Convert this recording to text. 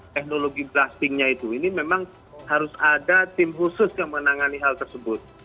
teknologi blastingnya itu ini memang harus ada tim khusus yang menangani hal tersebut